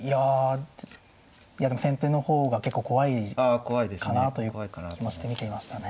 いやでも先手の方が結構怖いかなという気もして見ていましたね。